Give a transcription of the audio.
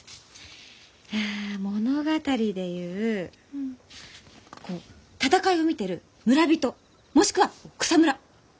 あ物語で言うこう戦いを見てる村人もしくは草むら！